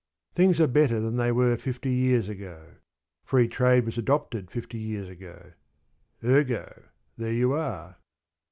Things are better than they were fifty years ago: Free Trade was adopted fifty years ago. Ergo there you are.